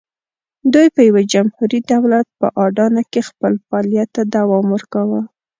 دوی په یوه جمهوري دولت په اډانه کې خپل فعالیت ته دوام ورکاوه.